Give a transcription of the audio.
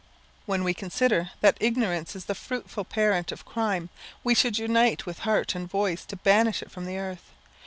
When we consider that ignorance is the fruitful parent of crime, we should unite with heart and voice to banish it from the earth.